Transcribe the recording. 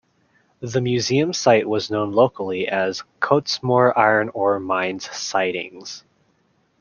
The museum site was known locally as Cottesmore Iron Ore Mines Sidings.